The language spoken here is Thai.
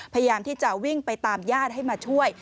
พยายามที่จะวิ่งไปตามญาติให้มาช่วย